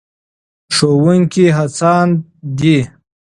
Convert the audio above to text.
ښوونکي هڅاند دي.